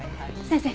先生